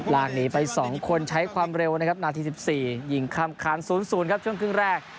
ลากหนีไป๒คนใช้ความเร็วนะครับนาที๑๔ยิงข้ามคาน๐๐ครับช่วงครึ่งแรก